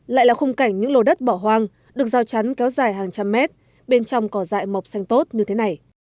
lại là khung cảnh những lồ đất bỏ hoang được giao chắn kéo dài hàng trăm mét bên trong có dại mọc xanh tốt như thế này